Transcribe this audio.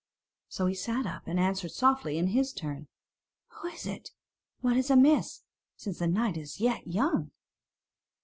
So he sat up and answered softly in his turn: "Who is it? what is amiss, since the night is yet young?"